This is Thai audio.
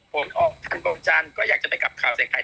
ผลออกทันเวลาจันทร์ก็อยากจะไปกลับขาวเสียไข่